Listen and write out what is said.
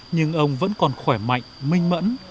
nhưng ông vẫn còn khỏe mạnh minh mẫn